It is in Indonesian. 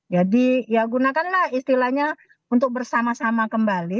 jadi gunakanlah istilahnya untuk bersama sama kembali